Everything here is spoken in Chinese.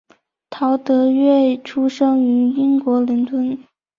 陶德瑞出生于英国伦敦。